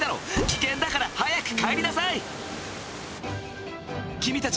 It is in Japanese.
危険だから早く帰りなさい君達